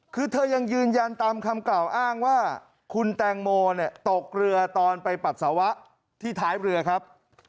คือเธอยังยืนยันตามคำกล่าวอ้างว่าคุณแตงโมตกเรือตอนไปปัสสาวะที่ท้ายเรือครับ